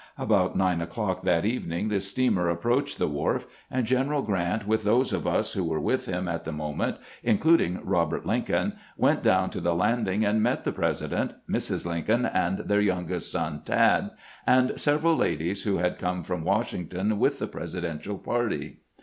About nine o'clock that evening the steamer approached PRESIDENT LINCOLN'S LAST VISIT TO GRANT 403 the wharf, and Greneral Grant, with those of us who were with him at the moment, including Eobert Lin coln, went down to the landing and met the President, Mrs. Lincoln, their youngest son, " Tad," and several ladies who had come from Washington with the Presi dential party.